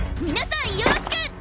皆さんよろしく。